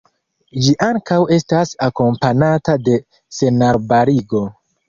Ĝi ankaŭ estas akompanata de senarbarigo.